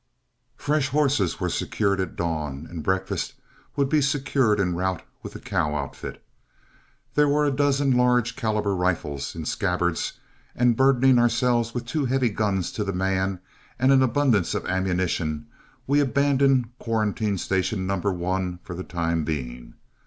Fresh horses were secured at dawn, and breakfast would be secured en route with the cow outfit. There were a dozen large calibre rifles in scabbards, and burdening ourselves with two heavy guns to the man and an abundance of ammunition, we abandoned Quarantine Station No. 1 for the time being.